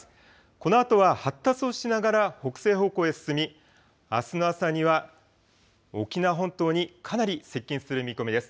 このあとは発達をしながら北西方向へ進みあすの朝には沖縄本島にかなり接近する見込みです。